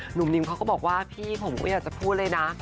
หนุ่มนิมเขาก็บอกว่าพี่ผมก็อยากจะพูดเลยนะ